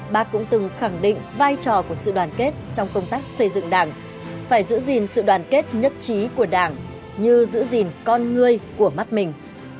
bác cũng từng khẳng định vai trò của sự đoàn kết trong công tác xây dựng đảng phải giữ gìn sự đoàn kết nhất trí của đảng như giữ gìn con người của mắt mình